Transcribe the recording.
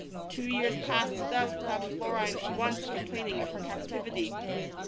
Two years passed thus without Florine's once complaining of her captivity.